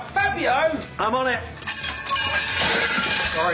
はい。